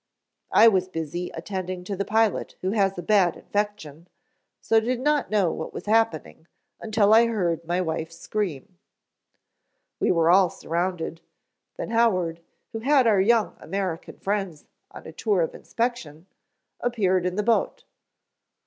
"I was busy attending to the pilot who has a bad infection, so did not know what was happening until I heard my wife scream. We were all surrounded, then Howard, who had our young American friends on a tour of inspection, appeared in the boat.